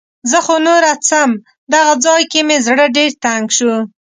زه خو نوره څم. دغه ځای کې مې زړه ډېر تنګ شو.